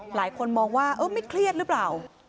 หลายคนมองว่าเออไม่เครียดหรือเปล่า